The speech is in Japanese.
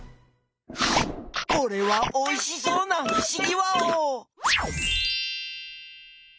これはおいしそうなふしぎワオ！